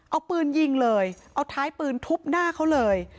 เอาปืนยิงเลยเอาท้ายปืนทุบหน้าเขาเลย